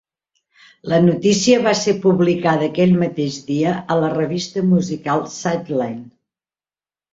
La notícia va ser publicada aquell mateix dia a la revista musical Side-Line.